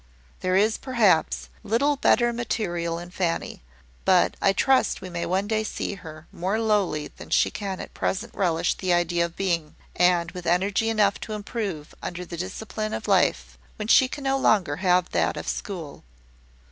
There is, perhaps, little better material in Fanny: but I trust we may one day see her more lowly than she can at present relish the idea of being, and with energy enough to improve under the discipline of life, when she can no longer have that of school.